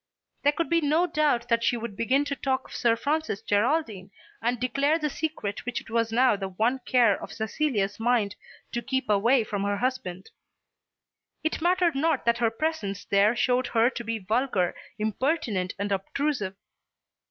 There could be no doubt that she would begin to talk of Sir Francis Geraldine and declare the secret which it was now the one care of Cecilia's mind to keep away from her husband. It mattered not that her presence there showed her to be vulgar, impertinent, and obtrusive.